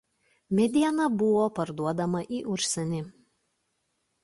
Mediena buvo parduodama į užsienį.